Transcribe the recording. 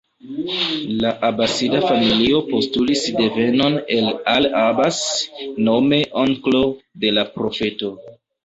La Abasida familio postulis devenon el al-Abbas, nome onklo de la Profeto.